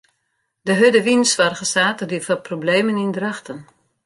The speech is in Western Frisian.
De hurde wyn soarge saterdei foar problemen yn Drachten.